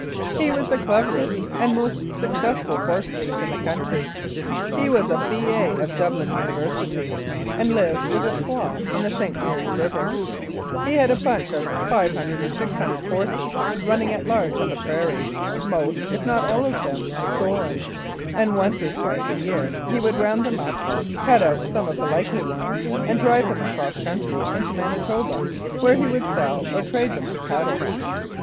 He was the cleverest and most successful horse thief in the country. He was a B.A. of Dublin University, and lived, with a squaw on the St. Mary's River. He had a bunch of 500 or 600 horses running at large on the prairie most, if not all of them, stolen and once or twice a year he would round them up, cut out some of the likely ones, and drive them across country into Mani toba, where he would sell or trade them for cattle.